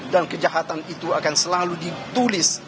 dan kejahatan itu akan selalu ditulis